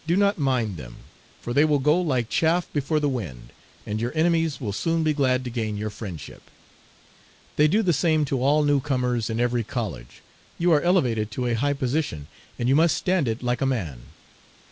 Do not mind them, for they will go like chaff before the wind, and your enemies will soon be glad to gain your friendship. They do the same to all newcomers in every college. You are elevated to a high position, and you must stand it like a man.